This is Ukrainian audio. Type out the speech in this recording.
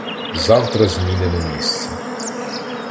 — Завтра змінимо місце.